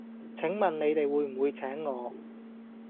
請問你哋會唔會請我?